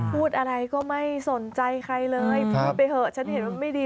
พูดอะไรก็ไม่สนใจใครเลยพูดไปเถอะฉันเห็นว่าไม่ดี